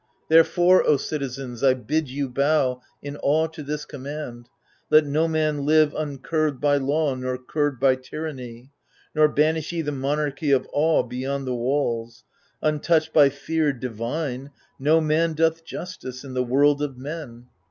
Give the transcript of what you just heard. Therefore, O citizens, I bid ye bow In awe to this command. Let no man live Uncurbed by law nor curbed by tyrant^; Nor banish ye the monarchy of Awe Beyond the walls ; untouched by fear divme, No man doth justice in the world of men.